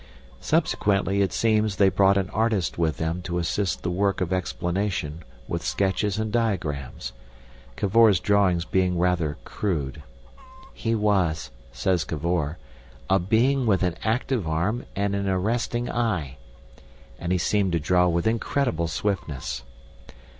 Subsequently it seems they brought an artist with them to assist the work of explanation with sketches and diagrams—Cavor's drawings being rather crude. "He was," says Cavor, "a being with an active arm and an arresting eye," and he seemed to draw with incredible swiftness.